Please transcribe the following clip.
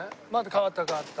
変わった変わった。